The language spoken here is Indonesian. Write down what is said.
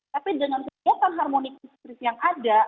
tapi dengan kebiasaan harmonik istri yang ada